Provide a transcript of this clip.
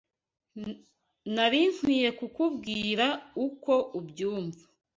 Nari nkwiye kukubwira uko umbyumva